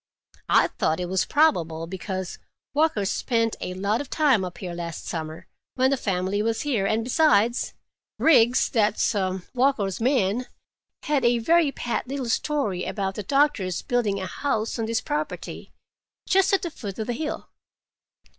I thought it was probable, because Walker spent a lot of time up here last summer, when the family was here, and besides, Riggs, that's Walker's man, had a very pat little story about the doctor's building a house on this property, just at the foot of the hill.